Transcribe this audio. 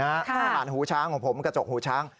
อาหารหูช้างของผมกระจกหูช้าง